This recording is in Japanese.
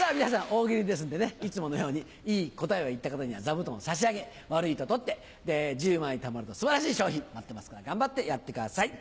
大喜利ですんでねいつものようにいい答えを言った方には座布団を差し上げ悪いと取って１０枚たまると素晴らしい賞品待ってますから頑張ってやってください。